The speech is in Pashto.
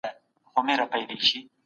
هر نظام د خپل بقا لپاره نظم ته اړتیا لري.